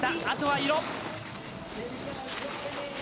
あとは色。